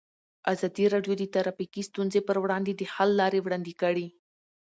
ازادي راډیو د ټرافیکي ستونزې پر وړاندې د حل لارې وړاندې کړي.